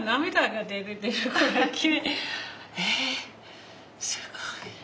すごい！